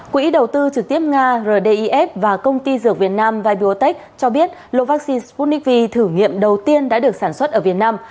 quỹ đầu tư trực tiếp nga rdif và công ty dược việt nam vibotech cho biết lô vaccine sputnik v thử nghiệm đầu tiên đã được sản xuất ở việt nam